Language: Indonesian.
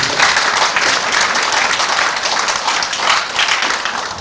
sambil kita menunggu nanti